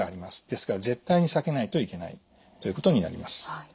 ですから絶対に避けないといけないということになります。